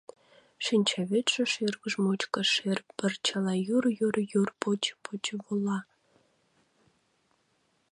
Шинчавӱдшӧ шӱргыж мучко шер пырчыла юр-юр-юр поче-поче вола.